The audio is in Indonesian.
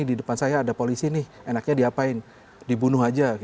di depan saya ada polisi nih enaknya diapain dibunuh aja